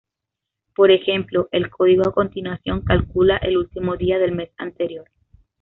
Por ejemplo el código a continuación calcula el último día del mes anterior.